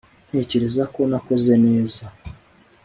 ntekereza ko nakoze neza